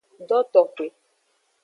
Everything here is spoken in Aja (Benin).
Dotoxwe.